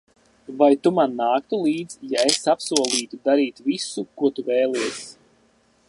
Vai Tu man nāktu līdzi, ja es apsolītu darīt visu, ko Tu vēlies?